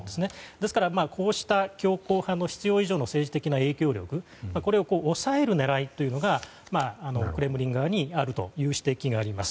ですから、こうした強硬派の必要以上の政治への影響力これを抑える狙いというのがクレムリン側にあるという指摘があります。